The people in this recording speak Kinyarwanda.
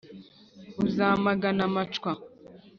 buzamagana amacwa,